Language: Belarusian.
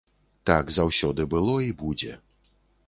Так заўсёды было і будзе.